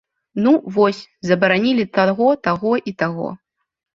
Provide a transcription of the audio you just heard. Ну, вось, забаранілі таго, таго і таго.